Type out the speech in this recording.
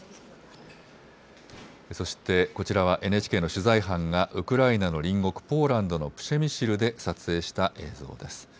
そしてこちらはＮＨＫの取材班がウクライナの隣国ポーランドのプシェミシルで撮影した映像です。